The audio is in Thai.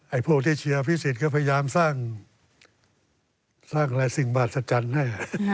คนพอที่เชียวพิสิทธิ์ก็พยายามสร้างลายสิ่งประสดจันทร์ให้